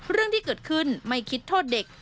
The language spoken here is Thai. เรื่องที่เกิดขึ้นไม่คิดโทษเด็ก